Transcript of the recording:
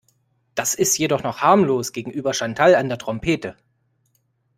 Das ist jedoch noch harmlos gegenüber Chantal an der Trompete.